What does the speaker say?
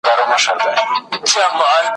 په همدغه وختو کي